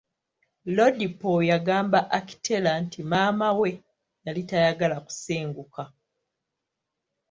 Lodipo y'agamba Akitela nti maama we yali tayagala kusenguka.